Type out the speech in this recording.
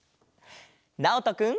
なおとくん。